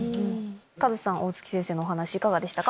カズさん大槻先生のお話いかがでしたか？